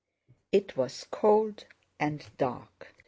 It was cold and dark.